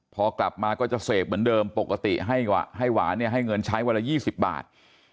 พอกลับมาก็จะเสพเหมือนเดิมปกติให้หวานเนี่ยให้เงินใช้วันละ๒๐บาท